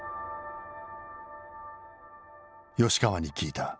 吉川に聞いた。